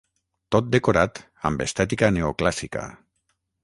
Tot decorat amb estètica neoclàssica.